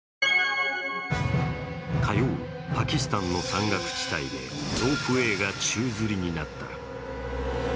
火曜、パキスタンの山岳地帯でロープウエーが宙づりになった。